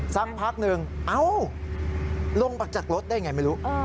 สักพักหนึ่งเอ้าลงมาจากรถได้ไงไม่รู้